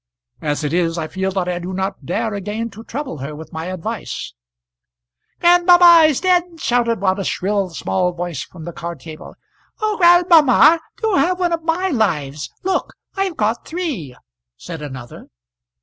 As it is I feel that I do not dare again to trouble her with my advice." "Grandmamma is dead," shouted out a shrill small voice from the card table. "Oh, grandmamma, do have one of my lives. Look! I've got three," said another.